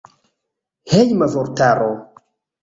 Hejma vortaro.